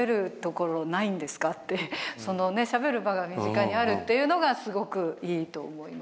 そのねしゃべる場が身近にあるっていうのがすごくいいと思いました。